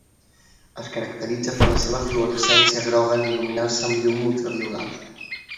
Es caracteritza per la seva fluorescència groga en il·luminar-se amb llum ultraviolada.